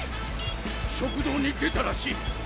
食道に出たらしい。